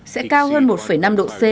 sẽ cao hơn một năm độ c